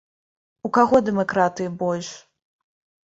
У каго дэмакратыі больш?